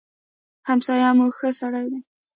همسايه مو ښه سړی دی.